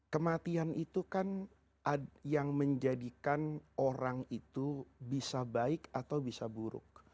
kematian itu kan yang menjadikan orang itu bisa baik atau bisa buruk